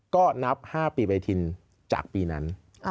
ก็นับ๕ปีไปทินจากปีนั้น